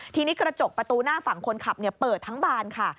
ทีนี้กระจกประตูหน้าฝั่งคนขับเปิดทั้งบานค่ะ